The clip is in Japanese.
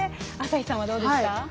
朝日さんはどうでした？